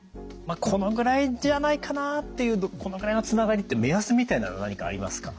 このぐらいじゃないかなっていうこのぐらいのつながりって目安みたいのは何かありますか？